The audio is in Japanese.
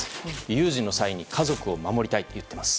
有事の際に家族を守りたいと言っています。